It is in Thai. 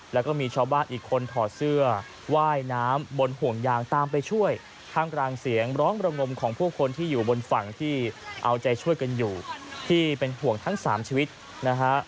แล้วก็มีชาวบ้านอีกคนถอดเสื้อว่ายน้ำบนห่วงยางตามไปช่วยท่ามกลางเสียงร้องระงมของผู้คนที่อยู่บนฝั่งที่เอาใจช่วยกันอยู่ที่เป็นห่วงทั้งสามชีวิตนะฮะ